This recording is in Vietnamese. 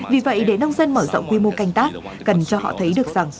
vì vậy để nông dân mở rộng quy mô canh tác cần cho họ thấy được rằng